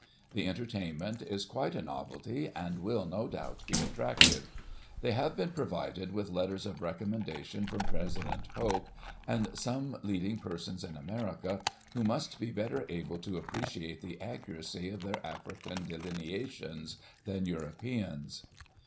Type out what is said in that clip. The entertainment is quite a novelty, and will, no doubt, be attractive. They have been provided with letters of recommendation from President Polk, and some leading persons in America, who must be better able to appreciate the accuracy of their African delineations than Europeans."